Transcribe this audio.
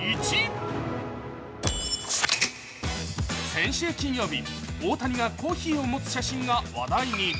先週金曜日、大谷がコーヒーを持つ写真が話題に。